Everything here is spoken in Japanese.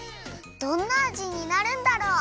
どんなあじになるんだろう？